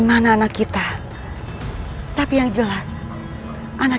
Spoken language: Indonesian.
benarkah kau putraku